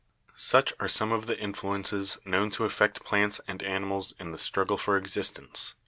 Such are some of the influences known to affect plants and animals in the struggle for existence.